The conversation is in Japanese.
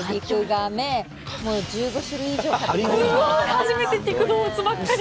初めて聞く動物ばっかり！